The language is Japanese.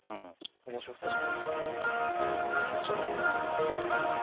面白そう。